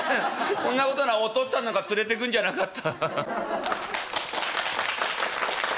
こんなことならお父っつぁんなんか連れてくんじゃなかった」。